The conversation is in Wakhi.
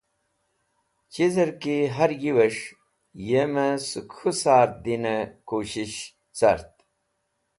Chizerki Har Yiwes̃h yeme sẽk k̃hu sar dine kushesh cert.